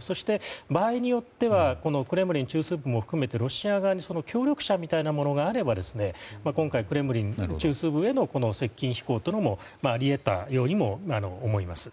そして、場合によってはクレムリン中枢部も含めてロシア側に協力者みたいなものがあれば今回、クレムリン中枢部への接近飛行というのもあり得たようにも思います。